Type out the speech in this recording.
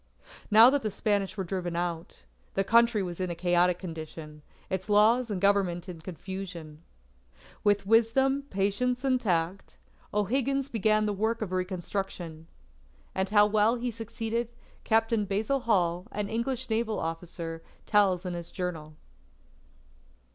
Now that the Spanish were driven out, the Country was in a chaotic condition, its laws and Government in confusion. With wisdom, patience, and tact, O'Higgins began the work of reconstruction. And how well he succeeded Captain Basil Hall, an English naval officer, tells in his journal.